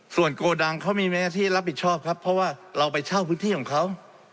ส่วนโกดังเขามีหน้าที่รับผิดชอบครับเพราะว่าเราไปเช่าพื้นที่ของเขา